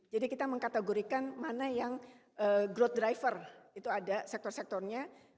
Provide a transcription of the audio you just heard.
jadi kita mengkategorikan mana yang growth driver itu ada sektor sektornya